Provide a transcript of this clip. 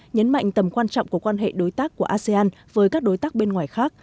nhấn mạnh tầm quan trọng của quan hệ đối tác của asean với các đối tác bên ngoài khác